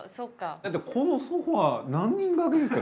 だってこのソファー何人掛けですか？